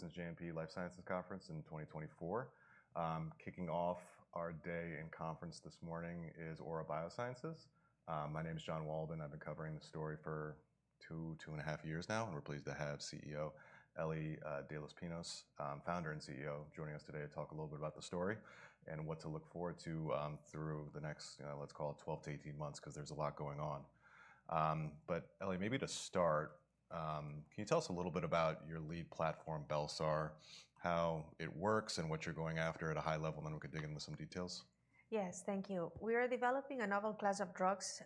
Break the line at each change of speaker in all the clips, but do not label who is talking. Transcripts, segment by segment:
This is the JMP Life Sciences Conference in 2024. Kicking off our day in conference this morning is Aura Biosciences. My name is Jon Wolleben. I've been covering the story for 2, 2.5 years now, and we're pleased to have CEO Ellie de los Pinos, founder and CEO, joining us today to talk a little bit about the story and what to look forward to, through the next, you know, let's call it 12-18 months, because there's a lot going on. But Ellie, maybe to start, can you tell us a little bit about your lead platform, bel-sar, how it works and what you're going after at a high level, and then we can dig into some details?
Yes, thank you. We are developing a novel class of drugs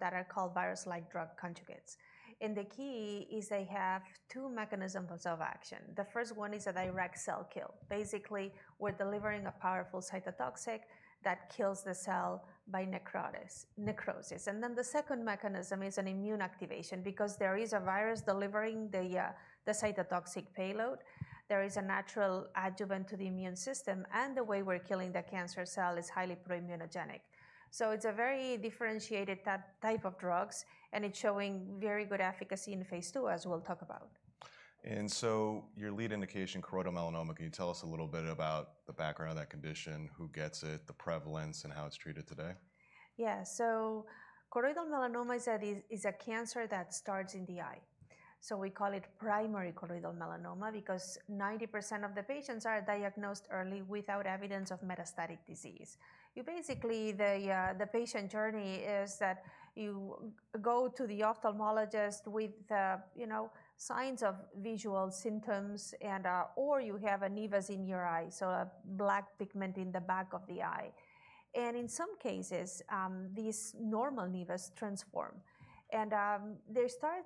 that are called virus-like drug conjugates. And the key is they have two mechanisms of action. The first one is a direct cell kill. Basically, we're delivering a powerful cytotoxic that kills the cell by necrosis. And then the second mechanism is an immune activation, because there is a virus delivering the cytotoxic payload. There is a natural adjuvant to the immune system, and the way we're killing the cancer cell is highly proimmunogenic. So it's a very differentiated type of drugs, and it's showing very good efficacy in phase 2, as we'll talk about.
Your lead indication, choroidal melanoma, can you tell us a little bit about the background of that condition, who gets it, the prevalence, and how it's treated today?
Yeah, so choroidal melanoma is it is a cancer that starts in the eye. So we call it primary choroidal melanoma because 90% of the patients are diagnosed early without evidence of metastatic disease. You basically the patient journey is that you go to the ophthalmologist with, you know, signs of visual symptoms and, or you have a nevus in your eye, so a black pigment in the back of the eye. And in some cases, these normal nevus transform. And they start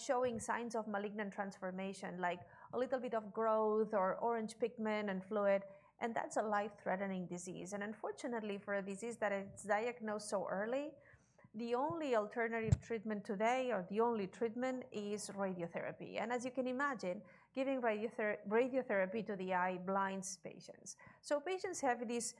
showing signs of malignant transformation, like a little bit of growth or orange pigment and fluid, and that's a life-threatening disease. And unfortunately, for a disease that is diagnosed so early, the only alternative treatment today, or the only treatment, is radiotherapy. And as you can imagine, giving radiotherapy to the eye blinds patients. So patients have this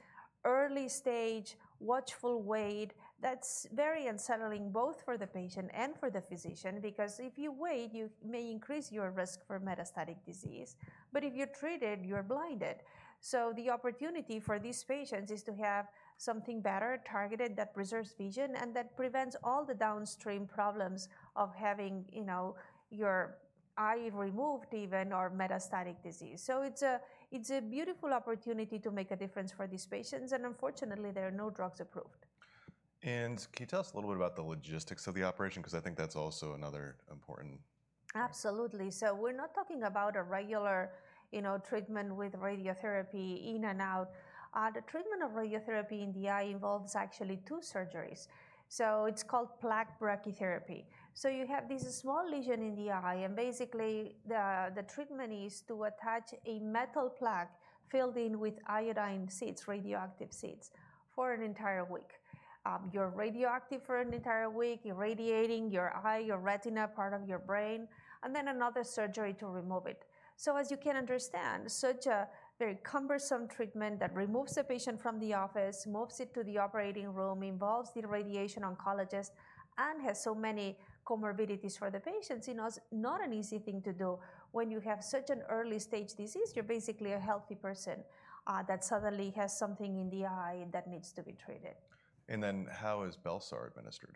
early-stage, watchful wait that's very unsettling both for the patient and for the physician, because if you wait, you may increase your risk for metastatic disease. But if you're treated, you're blinded. So the opportunity for these patients is to have something better, targeted, that preserves vision and that prevents all the downstream problems of having, you know, your eye removed even, or metastatic disease. So it's a beautiful opportunity to make a difference for these patients, and unfortunately, there are no drugs approved.
Can you tell us a little bit about the logistics of the operation, because I think that's also another important?
Absolutely. So we're not talking about a regular, you know, treatment with radiotherapy in and out. The treatment of radiotherapy in the eye involves actually two surgeries. So it's called plaque brachytherapy. So you have this small lesion in the eye, and basically the treatment is to attach a metal plaque filled in with iodine seeds, radioactive seeds, for an entire week. You're radioactive for an entire week, irradiating your eye, your retina, part of your brain, and then another surgery to remove it. So as you can understand, such a very cumbersome treatment that removes the patient from the office, moves it to the operating room, involves the radiation oncologist, and has so many comorbidities for the patients, you know, it's not an easy thing to do. When you have such an early-stage disease, you're basically a healthy person, that suddenly has something in the eye that needs to be treated.
And then how is bel-sar administered?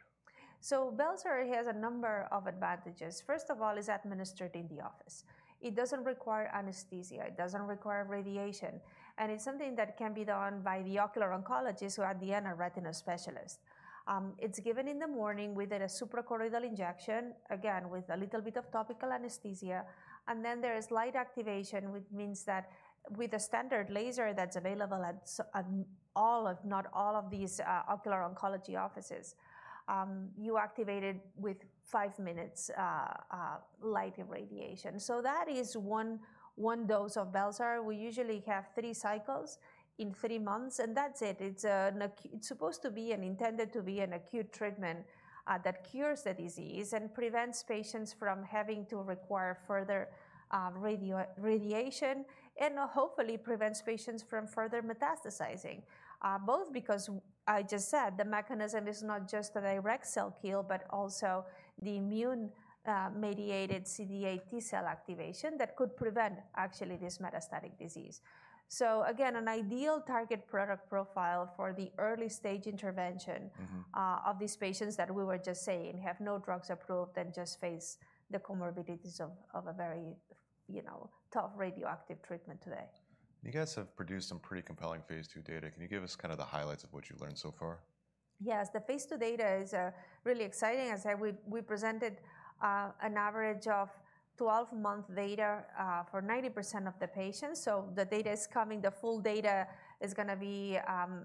bel-sar has a number of advantages. First of all, it's administered in the office. It doesn't require anesthesia. It doesn't require radiation. And it's something that can be done by the ocular oncologist who, at the end, are retina specialists. It's given in the morning with a supracoroidal injection, again, with a little bit of topical anesthesia, and then there is light activation, which means that with a standard laser that's available at all of, not all of, these ocular oncology offices, you activate it with five minutes light irradiation. So that is one dose of bel-sar. We usually have three cycles in three months, and that's it. It's supposed to be intended to be an acute treatment that cures the disease and prevents patients from having to require further radiation and, hopefully, prevents patients from further metastasizing, both because what I just said, the mechanism is not just a direct cell kill but also the immune-mediated CD8 T-cell activation that could prevent, actually, this metastatic disease. So again, an ideal target product profile for the early-stage intervention.
Mm-hmm.
of these patients that we were just saying have no drugs approved and just face the comorbidities of a very, you know, tough radioactive treatment today.
You guys have produced some pretty compelling phase 2 data. Can you give us kind of the highlights of what you learned so far?
Yes, the phase 2 data is really exciting. As I said, we presented an average of 12-month data for 90% of the patients. So the data is coming. The full data is going to be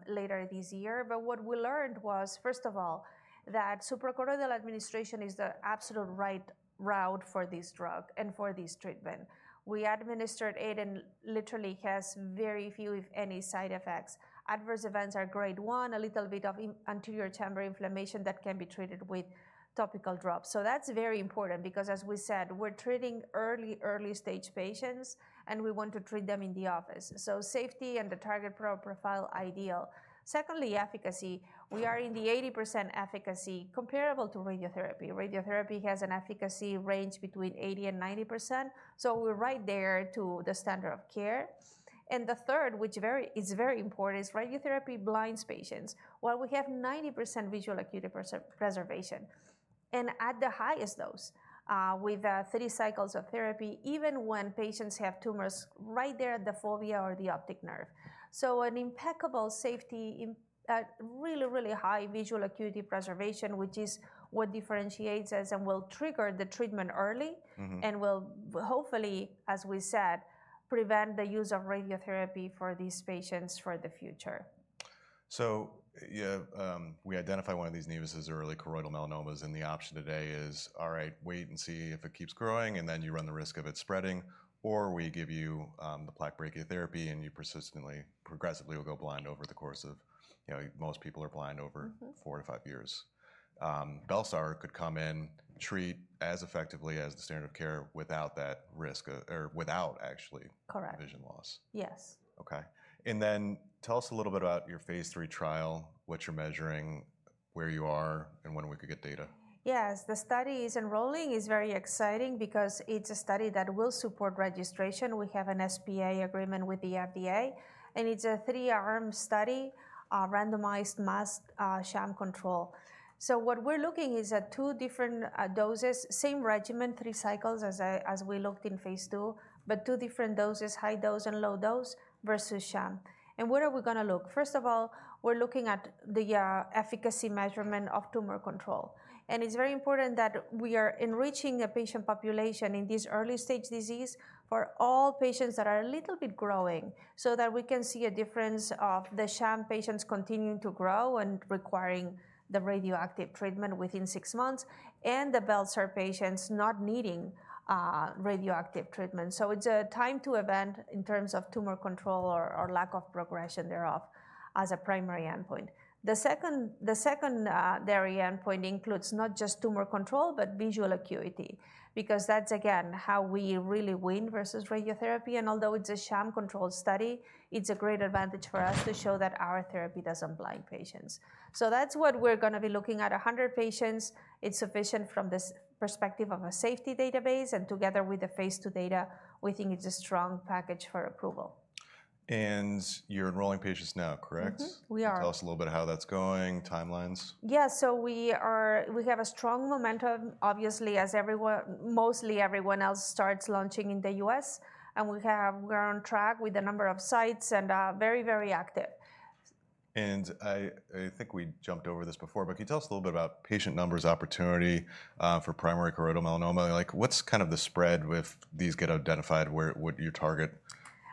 later this year. But what we learned was, first of all, that supracoroidal administration is the absolute right route for this drug and for this treatment. We administered it, and literally has very few, if any, side effects. Adverse events are grade 1, a little bit of anterior chamber inflammation that can be treated with topical drops. So that's very important because, as we said, we're treating early, early-stage patients, and we want to treat them in the office. So safety and the target product profile ideal. Secondly, efficacy. We are in the 80% efficacy comparable to radiotherapy. Radiotherapy has an efficacy range between 80%-90%, so we're right there to the standard of care. And the third, which is very important, is radiotherapy blinds patients. Well, we have 90% visual acuity preservation. And at the highest dose, with 3 cycles of therapy, even when patients have tumors right there at the fovea or the optic nerve. So, an impeccable safety really, really high visual acuity preservation, which is what differentiates us and will trigger the treatment early.
Mm-hmm.
Will, hopefully, as we said, prevent the use of radiotherapy for these patients for the future.
So, you know, we identify one of these nevi or early choroidal melanomas, and the option today is, all right, wait and see if it keeps growing, and then you run the risk of it spreading, or we give you the plaque brachytherapy, and you persistently progressively will go blind over the course of, you know, most people are blind over.
Mm-hmm.
4-5 years. bel-sar could come in, treat as effectively as the standard of care without that risk, or without, actually.
Correct.
Vision loss.
Yes.
Okay. And then tell us a little bit about your phase 3 trial, what you're measuring, where you are, and when we could get data?
Yes, the study is enrolling is very exciting because it's a study that will support registration. We have an SPA agreement with the FDA, and it's a 3-arm study, randomized masked, sham control. So what we're looking is at two different doses, same regimen, 3 cycles, as we looked in phase 2, but two different doses, high dose and low dose, versus sham. And what are we going to look? First of all, we're looking at the efficacy measurement of tumor control. And it's very important that we are enriching the patient population in this early-stage disease for all patients that are a little bit growing so that we can see a difference of the sham patients continuing to grow and requiring the radioactive treatment within 6 months and the bel-sar patients not needing radioactive treatment. So it's a time-to-event in terms of tumor control or, or lack of progression thereof as a primary endpoint. The secondary endpoint includes not just tumor control but visual acuity, because that's, again, how we really win versus radiotherapy. And although it's a sham-controlled study, it's a great advantage for us to show that our therapy doesn't blind patients. So that's what we're going to be looking at: 100 patients. It's sufficient from this perspective of a safety database, and together with the phase 2 data, we think it's a strong package for approval.
You're enrolling patients now, correct?
Mm-hmm, we are.
Tell us a little bit how that's going, timelines?
Yeah, so we have a strong momentum, obviously, as mostly everyone else starts launching in the US. And we're on track with the number of sites and very, very active.
I think we jumped over this before, but can you tell us a little bit about patient numbers opportunity for primary choroidal melanoma? Like, what's kind of the spread if these get identified? Where what your target?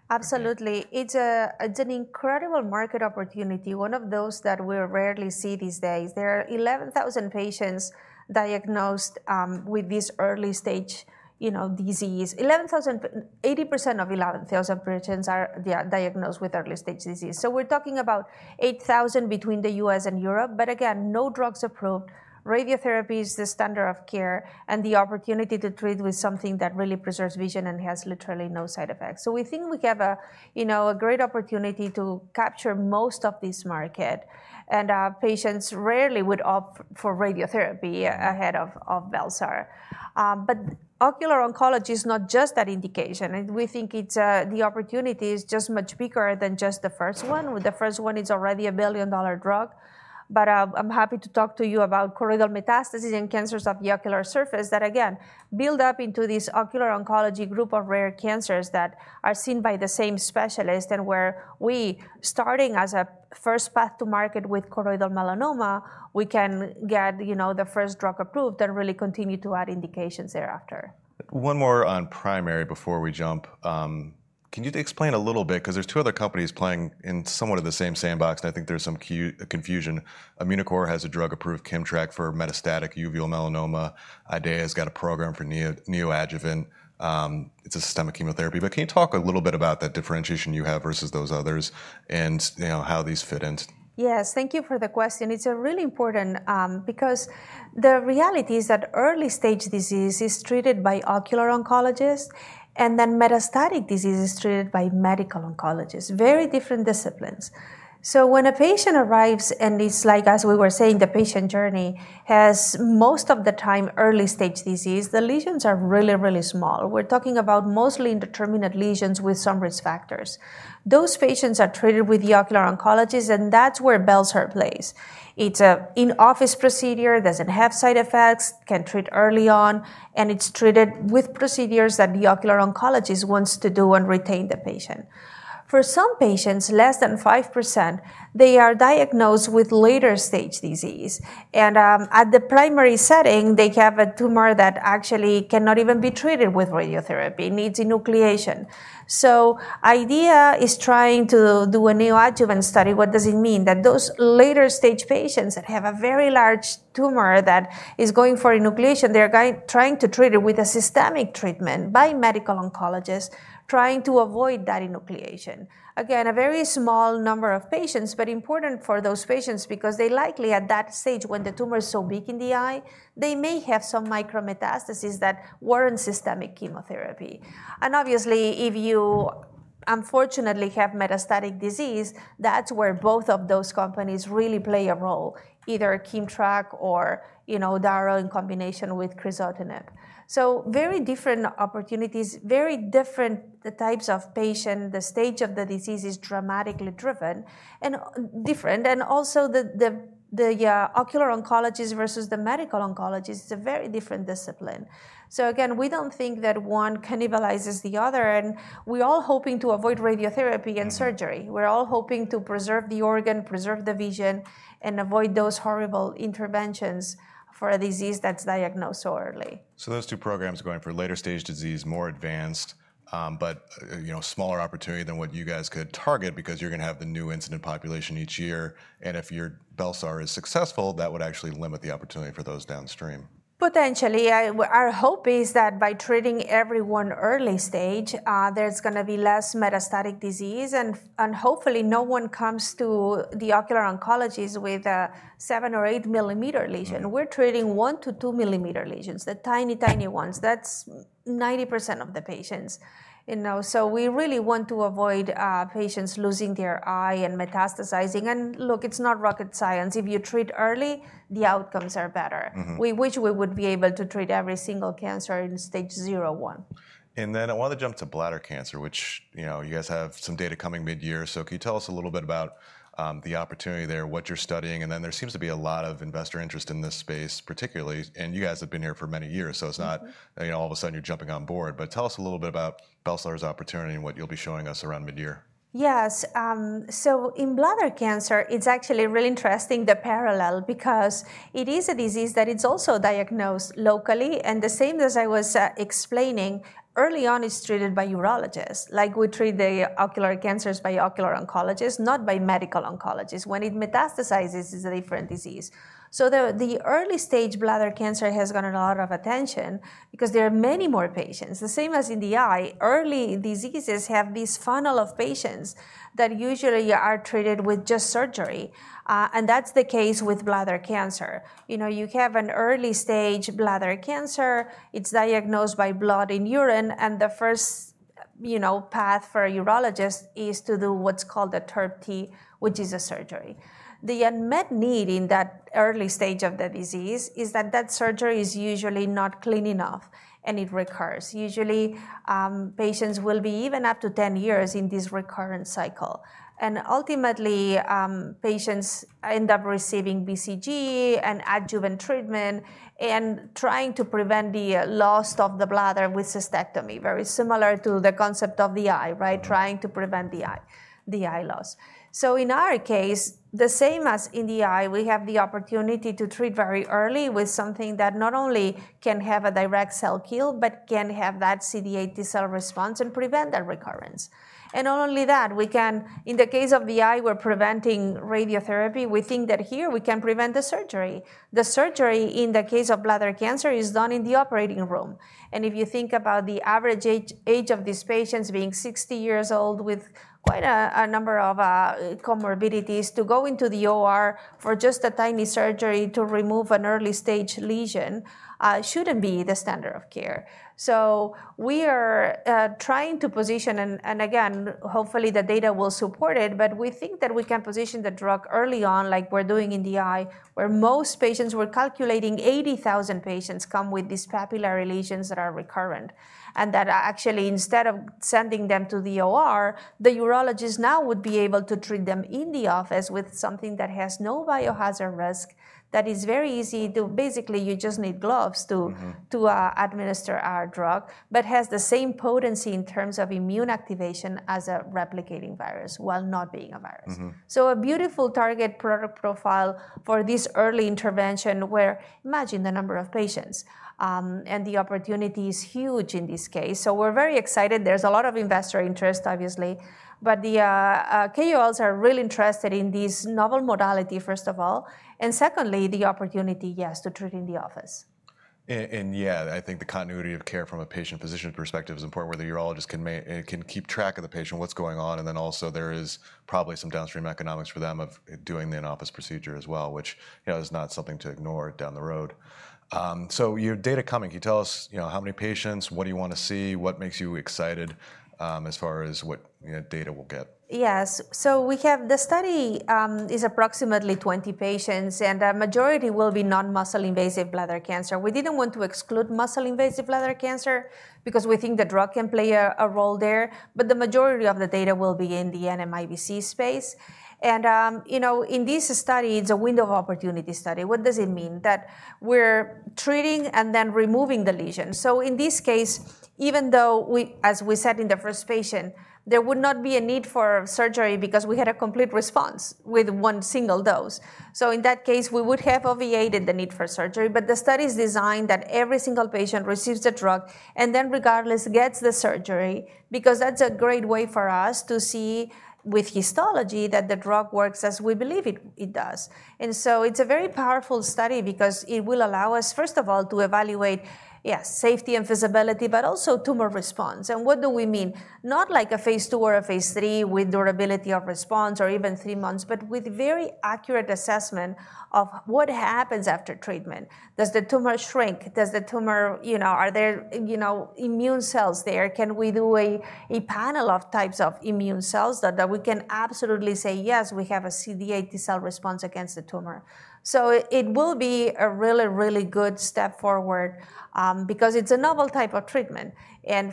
Absolutely. It's an incredible market opportunity, one of those that we rarely see these days. There are 11,000 patients diagnosed with this early-stage, you know, disease. 80% of 11,000 patients are diagnosed with early-stage disease. So we're talking about 8,000 between the US and Europe, but again, no drugs approved, radiotherapy is the standard of care, and the opportunity to treat with something that really preserves vision and has literally no side effects. So we think we have a, you know, a great opportunity to capture most of this market. And patients rarely would opt for radiotherapy ahead of bel-sar. But ocular oncology is not just that indication. And we think it's the opportunity is just much bigger than just the first one. The first one is already a billion-dollar drug. I'm happy to talk to you about choroidal metastasis and cancers of the ocular surface that, again, build up into this ocular oncology group of rare cancers that are seen by the same specialist and where we, starting as a first path to market with choroidal melanoma, we can get, you know, the first drug approved and really continue to add indications thereafter.
One more on primary before we jump. Can you explain a little bit because there are two other companies playing in somewhat of the same sandbox, and I think there's some confusion. Immunocore has a drug-approved KIMMTRAK for metastatic uveal melanoma. Ideaya has got a program for neoadjuvant. It's a systemic chemotherapy. But can you talk a little bit about that differentiation you have versus those others and, you know, how these fit in?
Yes, thank you for the question. It's a really important, because the reality is that early-stage disease is treated by ocular oncologists, and then metastatic disease is treated by medical oncologists. Very different disciplines. So when a patient arrives and it's like, as we were saying, the patient journey has most of the time early-stage disease, the lesions are really, really small. We're talking about mostly indeterminate lesions with some risk factors. Those patients are treated with the ocular oncologist, and that's where bel-sar plays. It's a in-office procedure, doesn't have side effects, can treat early on, and it's treated with procedures that the ocular oncologist wants to do and retain the patient. For some patients, less than 5%, they are diagnosed with later-stage disease. And, at the primary setting, they have a tumor that actually cannot even be treated with radiotherapy. It needs enucleation. So Ideaya is trying to do a neoadjuvant study. What does it mean? That those later-stage patients that have a very large tumor that is going for enucleation, they're going trying to treat it with a systemic treatment by medical oncologists, trying to avoid that enucleation. Again, a very small number of patients, but important for those patients because they likely, at that stage, when the tumor is so big in the eye, they may have some micrometastasis that warrant systemic chemotherapy. And obviously, if you, unfortunately, have metastatic disease, that's where both of those companies really play a role, either KIMMTRAK or, you know, darovasertib in combination with crizotinib. So very different opportunities, very different the types of patient, the stage of the disease is dramatically driven and different, and also the ocular oncologist versus the medical oncologist. It's a very different discipline. So again, we don't think that one cannibalizes the other, and we're all hoping to avoid radiotherapy and surgery. We're all hoping to preserve the organ, preserve the vision, and avoid those horrible interventions for a disease that's diagnosed so early.
So those two programs are going for later-stage disease, more advanced, but, you know, smaller opportunity than what you guys could target because you're going to have the new incident population each year. And if your bel-sar is successful, that would actually limit the opportunity for those downstream.
Potentially. Our hope is that by treating everyone early-stage, there's going to be less metastatic disease, and hopefully no one comes to the ocular oncologist with a 7- or 8-millimeter lesion. We're treating 1- to 2-millimeter lesions, the tiny, tiny ones. That's 90% of the patients, you know. So we really want to avoid patients losing their eye and metastasizing. And look, it's not rocket science. If you treat early, the outcomes are better.
Mm-hmm.
We wish we would be able to treat every single cancer in stage 0, 1.
And then I wanted to jump to bladder cancer, which, you know, you guys have some data coming midyear. So can you tell us a little bit about the opportunity there, what you're studying? And then there seems to be a lot of investor interest in this space, particularly and you guys have been here for many years, so it's not, you know, all of a sudden you're jumping on board. But tell us a little bit about bel-sar's opportunity and what you'll be showing us around midyear.
Yes, so in bladder cancer, it's actually really interesting, the parallel, because it is a disease that is also diagnosed locally. And the same as I was explaining, early on it's treated by urologists. Like, we treat the ocular cancers by ocular oncologists, not by medical oncologists. When it metastasizes, it's a different disease. So the early-stage bladder cancer has gotten a lot of attention because there are many more patients. The same as in the eye, early diseases have this funnel of patients that usually are treated with just surgery, and that's the case with bladder cancer. You know, you have an early-stage bladder cancer. It's diagnosed by blood in urine, and the first, you know, path for a urologist is to do what's called a TURBT, which is a surgery. The unmet need in that early stage of the disease is that surgery is usually not clean enough, and it recurs. Usually, patients will be even up to 10 years in this recurrent cycle. Ultimately, patients end up receiving BCG and adjuvant treatment and trying to prevent the loss of the bladder with cystectomy, very similar to the concept of the eye, right, trying to prevent the eye loss. In our case, the same as in the eye, we have the opportunity to treat very early with something that not only can have a direct cell kill but can have that CD8 T-cell response and prevent that recurrence. Not only that, we can in the case of the eye, we're preventing radiotherapy. We think that here we can prevent the surgery. The surgery, in the case of bladder cancer, is done in the operating room. If you think about the average age of these patients being 60 years old with quite a number of comorbidities, to go into the OR for just a tiny surgery to remove an early-stage lesion, shouldn't be the standard of care. So we are trying to position and again, hopefully the data will support it, but we think that we can position the drug early on, like we're doing in the eye, where most patients we're calculating 80,000 patients come with these papillary lesions that are recurrent and that actually, instead of sending them to the OR, the urologist now would be able to treat them in the office with something that has no biohazard risk, that is very easy to basically, you just need gloves to.
Mm-hmm.
To administer our drug, but has the same potency in terms of immune activation as a replicating virus while not being a virus.
Mm-hmm.
A beautiful target product profile for this early intervention where imagine the number of patients, and the opportunity is huge in this case. We're very excited. There's a lot of investor interest, obviously. The KOLs are really interested in this novel modality, first of all. Secondly, the opportunity, yes, to treat in the office.
Yeah, I think the continuity of care from a patient-physician perspective is important, where the urologist can keep track of the patient, what's going on. And then also there is probably some downstream economics for them of doing the in-office procedure as well, which, you know, is not something to ignore down the road. So you have data coming. Can you tell us, you know, how many patients, what do you want to see, what makes you excited, as far as what, you know, data we'll get?
Yes, so we have the study is approximately 20 patients, and the majority will be non-muscle invasive bladder cancer. We didn't want to exclude muscle invasive bladder cancer because we think the drug can play a role there, but the majority of the data will be in the NMIBC space. You know, in this study, it's a window of opportunity study. What does it mean? That we're treating and then removing the lesion. So in this case, even though we, as we said in the first patient, there would not be a need for surgery because we had a complete response with 1 single dose. So in that case, we would have obviated the need for surgery. But the study is designed that every single patient receives the drug and then, regardless, gets the surgery because that's a great way for us to see with histology that the drug works as we believe it, it does. And so it's a very powerful study because it will allow us, first of all, to evaluate, yes, safety and feasibility, but also tumor response. And what do we mean? Not like a phase 2 or a phase 3 with durability of response or even three months, but with very accurate assessment of what happens after treatment. Does the tumor shrink? Does the tumor, you know, are there, you know, immune cells there? Can we do a, a panel of types of immune cells that, that we can absolutely say, "Yes, we have a CD8 T-cell response against the tumor"? It will be a really, really good step forward, because it's a novel type of treatment.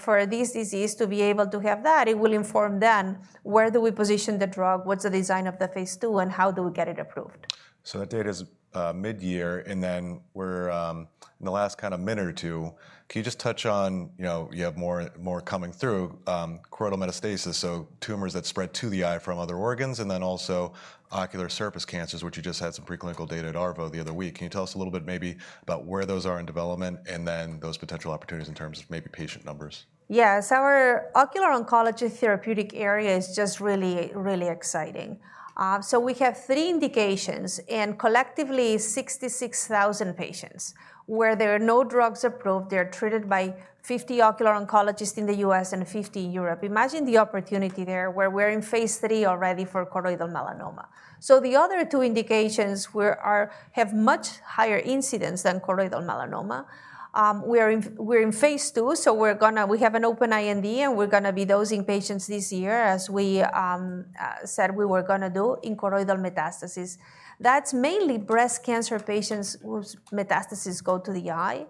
For this disease to be able to have that, it will inform then where do we position the drug, what's the design of the phase 2, and how do we get it approved.
So that data's midyear. And then we're in the last kind of minute or two, can you just touch on, you know, you have more, more coming through, choroidal metastasis, so tumors that spread to the eye from other organs, and then also ocular surface cancers, which you just had some preclinical data at ARVO the other week. Can you tell us a little bit maybe about where those are in development and then those potential opportunities in terms of maybe patient numbers?
Yes, our ocular oncology therapeutic area is just really, really exciting. So we have 3 indications and collectively 66,000 patients. Where there are no drugs approved, they're treated by 50 ocular oncologists in the US and 50 in Europe. Imagine the opportunity there where we're in phase 3 already for choroidal melanoma. So the other 2 indications we have much higher incidence than choroidal melanoma. We're in phase 2, so we're going to have an open IND, and we're going to be dosing patients this year, as we said we were going to do, in choroidal metastasis. That's mainly breast cancer patients whose metastasis go to the eye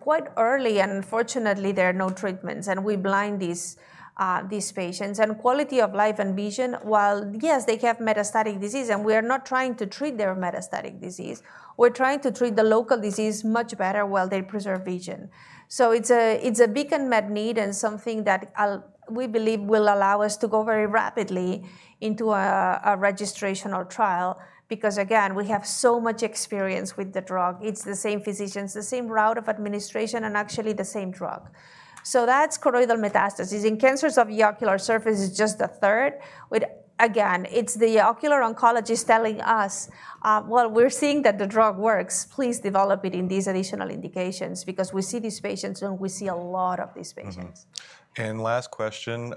quite early, and unfortunately there are no treatments, and we blind these patients. Quality of life and vision, while yes, they have metastatic disease, and we are not trying to treat their metastatic disease, we're trying to treat the local disease much better while they preserve vision. So it's a it's a big unmet need and something that I'll we believe will allow us to go very rapidly into a, a registration or trial because, again, we have so much experience with the drug. It's the same physicians, the same route of administration, and actually the same drug. So that's choroidal metastasis. In cancers of the ocular surface, it's just a third. With again, it's the ocular oncologist telling us, "Well, we're seeing that the drug works. Please develop it in these additional indications," because we see these patients, and we see a lot of these patients.
Mm-hmm. And last question,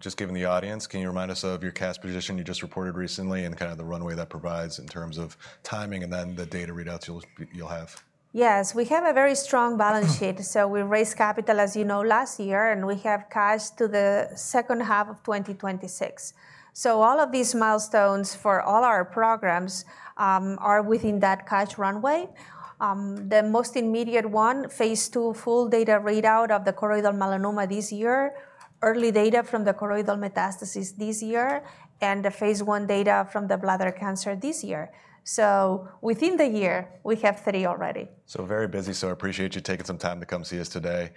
just given the audience, can you remind us of your cash position you just reported recently and kind of the runway that provides in terms of timing and then the data readouts you'll have?
Yes, we have a very strong balance sheet. So we raised capital, as you know, last year, and we have cash to the second half of 2026. So all of these milestones for all our programs, are within that cash runway. The most immediate one, phase 2 full data readout of the choroidal melanoma this year, early data from the choroidal metastasis this year, and the phase 1 data from the bladder cancer this year. So within the year, we have three already.
Very busy. I appreciate you taking some time to come see us today.